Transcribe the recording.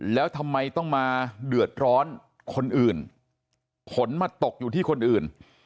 แล้วทำไมต้องมาเดือดร้อนคนอื่นผลมาตกอยู่ที่คนอื่น